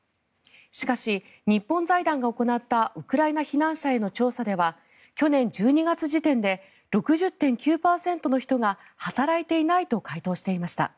しかし、日本財団が行ったウクライナ避難者への調査では去年１２月時点で６０．９％の人が働いていないと回答していました。